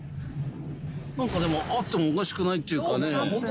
何かでもあってもおかしくないっていうかね。